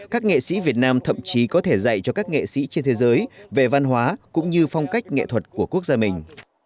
các nghệ sĩ việt nam thậm chí có thể dạy cho các nghệ sĩ trên thế giới về văn hóa cũng như phong cách nghệ thuật của quốc gia mình